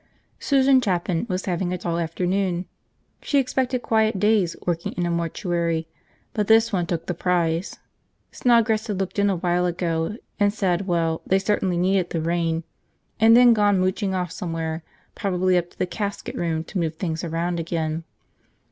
Susan Chapin was having a dull afternoon. She expected quiet days, working in a mortuary, but this one took the prize. Snodgrass had looked in a while ago and said well, they certainly needed the rain, and then gone mooching off somewhere, probably up to the casket room to move things around again.